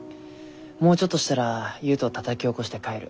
もうちょっとしたら悠人たたき起こして帰る。